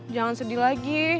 jangan sedih lagi